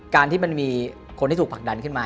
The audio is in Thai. การที่มันมีคนที่ถูกผลักดันขึ้นมา